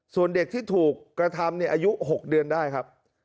ส่วนเด็กที่ถูกกระทำอายุ๖เดือนได้ครับ